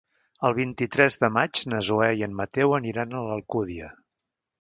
El vint-i-tres de maig na Zoè i en Mateu aniran a l'Alcúdia.